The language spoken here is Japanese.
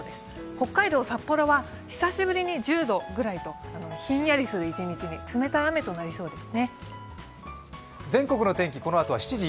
北海道札幌は久しぶりに１０度ぐらいひんやりする一日に冷たい雨となりそうです。